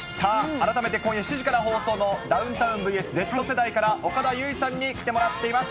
改めて今夜７時から放送のダウンタウンｖｓＺ世代から、岡田結実さんに来てもらっています。